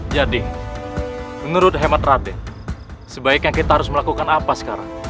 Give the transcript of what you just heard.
jadi menurut hemat raden sebaiknya kita harus melakukan apa sekarang